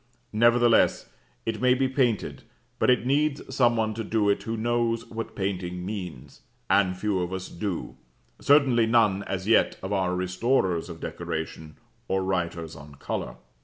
Nevertheless it may be painted, but it needs some one to do it who knows what painting means, and few of us do certainly none, as yet, of our restorers of decoration or writers on colour.